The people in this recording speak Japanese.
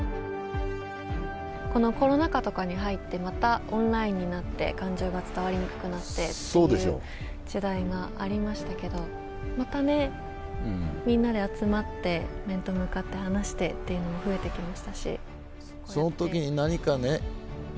コロナ禍とかに入ってまたオンラインになって感情が伝わりにくくなってという時代がありましたけれどまたみんなで集まって面と向かって話してというのもそのときに何かね。